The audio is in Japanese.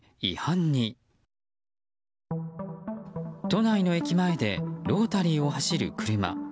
都内の駅前でロータリーを走る車。